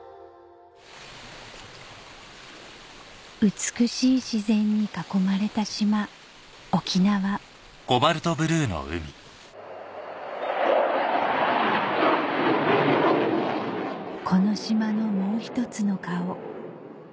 美しい自然に囲まれた島沖縄この島のもう一つの顔